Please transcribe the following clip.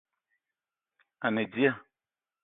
A ne dia